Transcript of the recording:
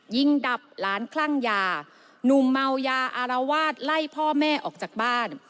ดับหลานคลั่งยาหนุ่มเมายาอารวาสไล่พ่อแม่ออกจากบ้าน